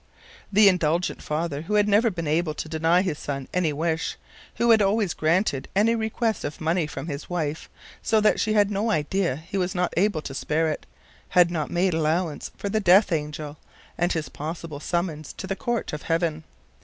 The indulgent father, who had never been able to deny his son any wish, who had always granted any request of money from his wife, so that she had no idea he was not able to spare it, had not made allowance for the death angel and his possible summons to the court of heaven.